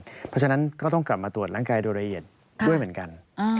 เพราะฉะนั้นก็ต้องกลับมาตรวจร่างกายโดยละเอียดด้วยเหมือนกัน